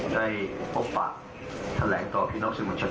ได้มีโอกาส